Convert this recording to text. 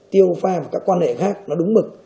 tiêu pha và các quan hệ khác nó đúng mực